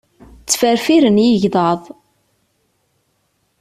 Ttferfiren yigḍaḍ.